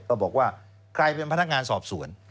บอกว่าใครเป็นพนักงานสอบสวน